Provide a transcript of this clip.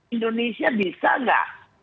indonesia bisa nggak